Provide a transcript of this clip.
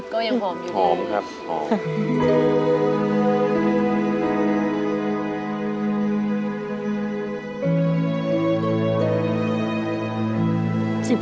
ก็ยังหอมอยู่ค่ะ